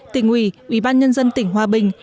tỉnh ủy ủy ban nhân dân tỉnh hòa bình